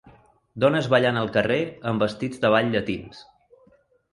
Dones ballant al carrer amb vestits de ball llatins.